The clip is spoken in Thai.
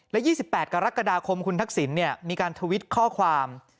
และ๒๘กรกฎาคมคุณทักษิณมีการทวิตข้อความ